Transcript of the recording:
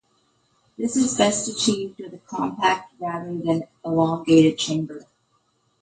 This is best achieved with a compact rather than elongated chamber.